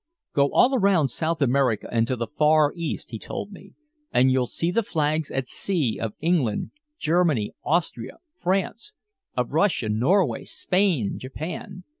"Go all around South America and to the Far East," he told me. "And you'll see the flags at sea of England, Germany, Austria, France, of Russia, Norway, Spain, Japan.